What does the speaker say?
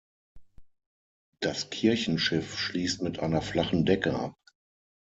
Das Kirchenschiff schließt mit einer flachen Decke ab.